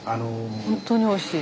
本当においしい。